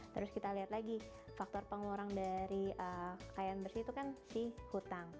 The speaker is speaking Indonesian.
terus kita lihat lagi faktor pengurang dari kekayaan bersih itu kan si hutang